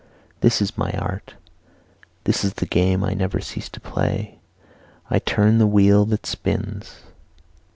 This is my art, this the game I never cease to play. I turn the wheel that spins.